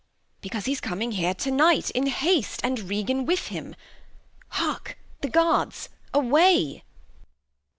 Because he's coming here to Night in haste. And Regan with him Heark! the Guards; Away.